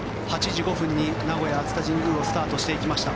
８時５分に名古屋・熱田神宮をスタートしていきました。